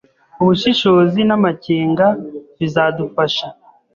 Ubushishozi nama kenga bizadufasha